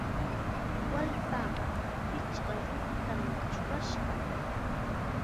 Wallpaqa pichqa rurutam churashqa.